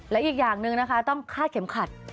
และอีกอย่างหนึ่งนะคะต้องคาดเข็มขัด